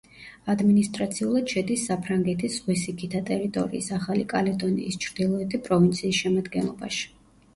ადმინისტრაციულად შედის საფრანგეთის ზღვისიქითა ტერიტორიის ახალი კალედონიის ჩრდილოეთი პროვინციის შემადგენლობაში.